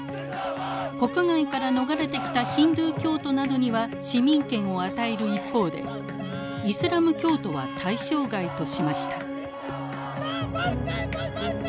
国外から逃れてきたヒンドゥー教徒などには市民権を与える一方でイスラム教徒は対象外としました。